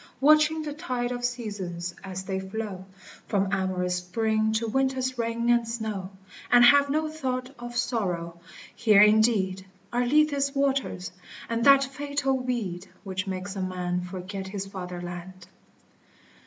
Watching the tide of seasons as they flow From amorous Spring to Winter's rain and snow, And have no thought of sorrow ;— here, indeed, Are Lethe's waters, and that fatal weed Which makes a man forget his fatherland.